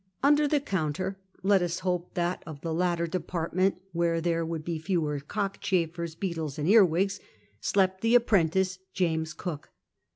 Under the counter — let us hope that of the latter department* where there would be fewer cockchafers, beetles, and earwigs — slept the a[)prentice, James Cook.